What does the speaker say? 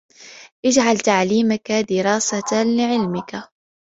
اجْعَلْ تَعْلِيمَك دِرَاسَةً لِعِلْمِك